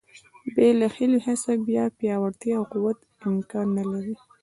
بې له هیلو څخه بیا پیاوړتیا او قوت امکان نه لري.